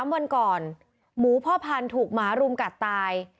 ๓วันก่อนหมูพ่อพันธุ์ถูกหมารุมกัดตาย